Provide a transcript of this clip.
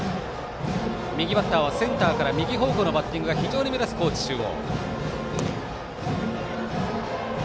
右バッターはセンターから右方向のバッティングが目立つ高知中央。